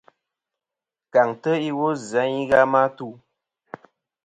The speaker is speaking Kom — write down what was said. Kàŋtɨ iwo zɨ a i ghɨ a ma tu.